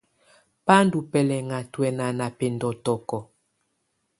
Bà ndù bɛlɛ̀ŋa tuɛna na bɛ̀ndɔ̀tɔkɔ.